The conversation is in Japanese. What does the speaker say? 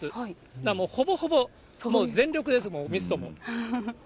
だからもうほぼほぼ全力です、ミストも。